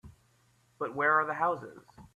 But where are the houses?